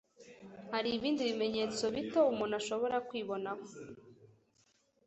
Hari ibindi bimenyetso bito umuntu ashobora kwibonaho